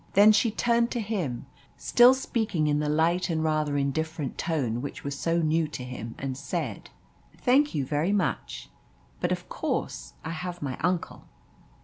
Then she turned to him, still speaking in the light and rather indifferent tone which was so new to him, and said "Thank you very much, but of course I have my uncle.